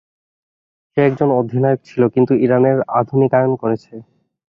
সে একজন একনায়ক ছিল, কিন্তু ইরানের আধুনিকায়নও করেছে।